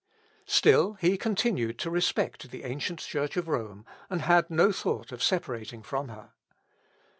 Still he continued to respect the ancient Church of Rome, and had no thought of separating from her.